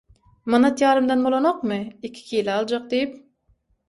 – Manat ýarymdan bolanokmy, iki kile aljak – diýip